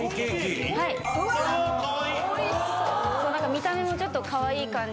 見た目もちょっとカワイイ感じ。